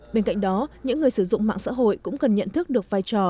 bên cạnh đó những người sử dụng mạng xã hội cũng cần nhận thức được vai trò